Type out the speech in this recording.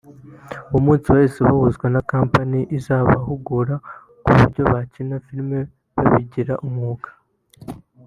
uwo munsi bahise bahuzwa na kampani izabahugura kuburyo gukina Filime babigira umwuga